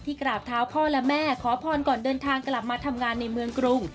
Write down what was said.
กราบเท้าพ่อและแม่ขอพรก่อนเดินทางกลับมาทำงานในเมืองกรุง